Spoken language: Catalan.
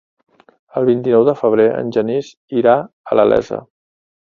El vint-i-nou de febrer en Genís irà a la Iessa.